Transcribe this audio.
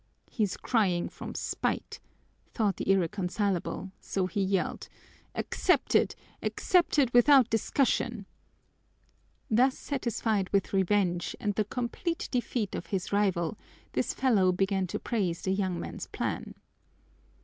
"He's crying from spite," thought the irreconcilable, so he yelled, "Accepted! Accepted without discussion!" Thus satisfied with revenge and the complete defeat of his rival, this fellow began to praise the young man's plan.